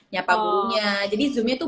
nyapa gurunya jadi zoomnya tuh